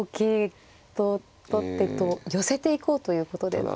寄せていこうということですか。